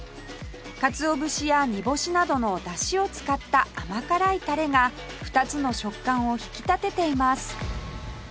かつお節や煮干しなどのだしを使った甘辛いタレが２つの食感を引き立てています